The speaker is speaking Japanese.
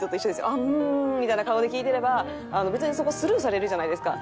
「うん」みたいな顔で聞いてれば別にそこスルーされるじゃないですか。